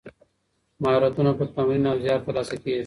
مهارتونه په تمرین او زیار ترلاسه کیږي.